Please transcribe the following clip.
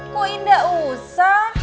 kok indah usah